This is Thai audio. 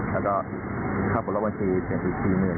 แล้วก็ข้าวผลลอกบัญชีเปลี่ยนอีก๓หมื่น